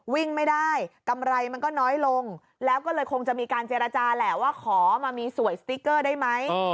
วิ่งไม่ได้กำไรมันก็น้อยลงแล้วก็เลยคงจะมีการเจรจาแหละว่าขอมามีสวยสติ๊กเกอร์ได้ไหม